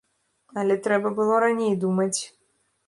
Але трэба было раней думаць.